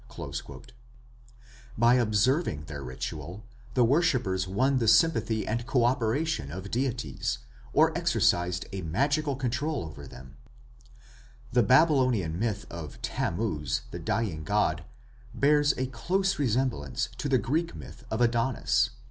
" By observing their ritual, the worshippers won the sympathy and co operation of deities, or exercised a magical control over nature. The Babylonian myth of Tammuz, the dying god, bears a close resemblance to the Greek myth of Adonis.